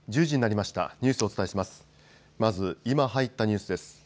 まず今、入ったニュースです。